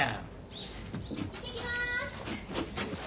・・行ってきます！